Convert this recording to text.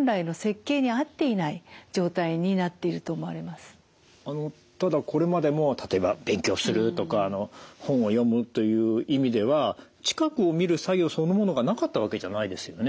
やはりそれには環境的な要因が大きくてただこれまでも例えば勉強するとか本を読むという意味では近くを見る作業そのものがなかったわけじゃないですよね？